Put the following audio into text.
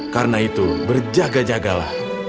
karena itu berjaga jagalah